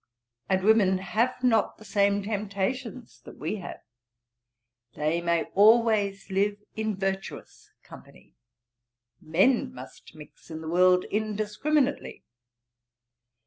And women have not the same temptations that we have: they may always live in virtuous company; men must mix in the world indiscriminately.